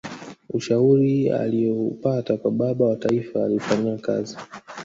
ushauri aliyoupata kwa baba wa taifa aliufanyia kazi